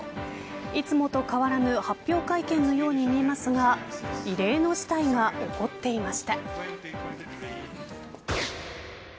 いつもと変わらぬ発表会見のように見えますが異例の事態が起こっていました。